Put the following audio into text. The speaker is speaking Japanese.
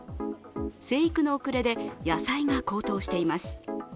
生育の遅れで、野菜が高騰しています。